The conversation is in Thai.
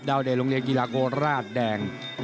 เดชโรงเรียนกีฬาโคราชแดง